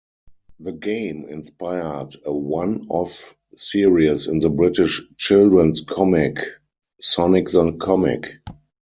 The game inspired a one-off series in the British children's comic Sonic the Comic.